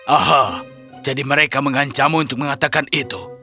aha jadi mereka mengancammu untuk mengatakan itu